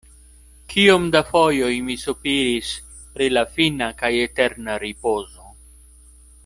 Kiom da fojoj mi sopiris pri la fina kaj eterna ripozo.